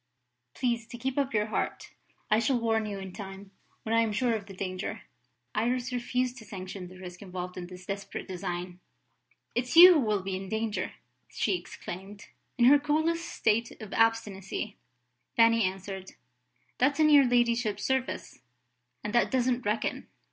Please to keep up your heart; I shall warn you in time, when I am sure of the danger." Iris refused to sanction the risk involved in this desperate design. "It's you who will be in danger!" she exclaimed. In her coolest state of obstinacy, Fanny answered: "That's in your ladyship's service and that doesn't reckon."